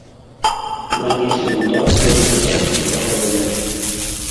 Нанеслі ўдар нечым цяжкім па галаве.